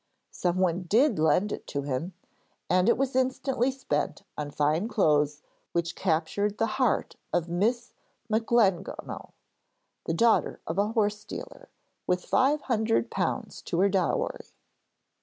Someone did lend it to him, and it was instantly spent on fine clothes which captured the heart of Miss Macglegno, the daughter of a horse dealer, with five hundred pounds to her dowry.